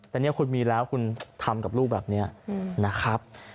แต่เนี่ยคุณมีแล้วคุณทำกับลูกแบบนี้นะครับ